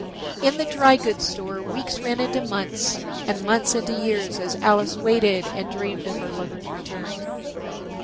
In the dry goods store weeks ran into months and months into years as Alice waited and dreamed of her lover's return.